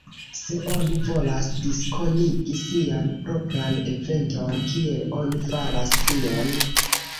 Se oni volas diskonigi sian propran eventon, kiel oni faras tion?